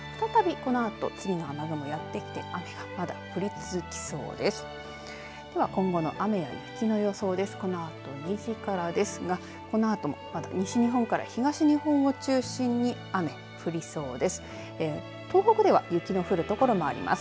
このあと２時からですがこのあともまだ西日本から東日本を中心に雨、降りそうです。